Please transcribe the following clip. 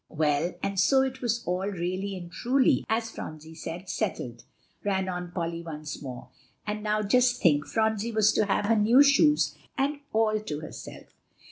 "Well, and so it was all 'really and truly,' as Phronsie said, settled," ran on Polly once more; "and now, just think, Phronsie was to have her new shoes, and all to herself!"